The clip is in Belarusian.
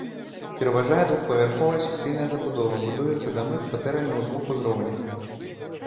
Пераважае двухпавярховая секцыйная забудова, будуюцца дамы з кватэрамі ў двух узроўнях.